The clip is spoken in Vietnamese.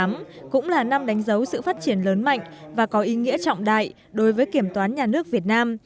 năm hai nghìn một mươi tám cũng là năm đánh dấu sự phát triển lớn mạnh và có ý nghĩa trọng đại đối với kiểm toán nhà nước việt nam